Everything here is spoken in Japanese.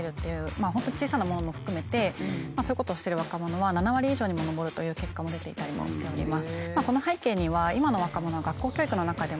本当に小さなものも含めてそういうことをしてる若者は７割以上にも上るという結果も出ていたりもしております。